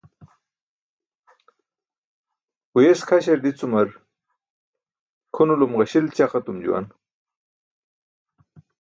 Huyes kʰaśar dicumar kʰunulum ġaśil ćaq etum juwan.